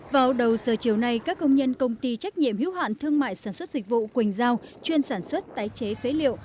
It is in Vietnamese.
vào đầu giờ chiều nay các công nhân công ty trách nhiệm hiếu hạn thương mại sản xuất dịch vụ quỳnh giao chuyên sản xuất tái chế phế liệu